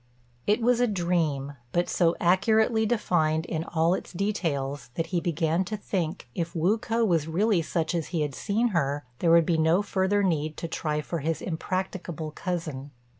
It was a dream, but so accurately defined in all its details that he began to think if Wu k'o was really such as he had seen her, there would be no further need to try for his impracticable cousin.